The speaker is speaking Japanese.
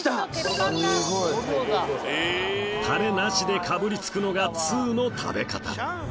すごい！タレなしでかぶりつくのが通の食べ方